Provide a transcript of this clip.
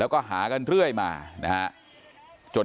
ขอบคุณทุกคน